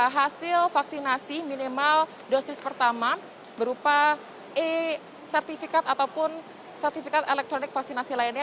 hasil vaksinasi minimal dosis pertama berupa e sertifikat ataupun sertifikat elektronik vaksinasi lainnya